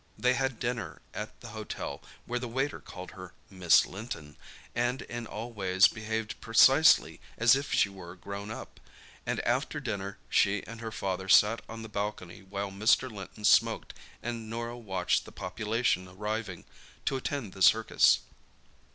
They had dinner at the hotel, where the waiter called her "Miss Linton," and in all ways behaved precisely as if she were grown up, and after dinner she and her father sat on the balcony while Mr. Linton smoked and Norah watched the population arriving to attend the circus.